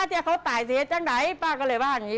ที่เขาตายเสียจังไหนป้าก็เลยว่าอย่างนี้